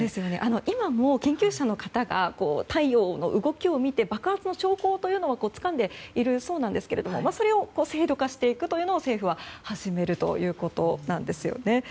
今も、研究者の方が太陽の動きを見て爆発の兆候をつかんでいるそうなんですがそれを制度化していくというのを政府は始めるということです。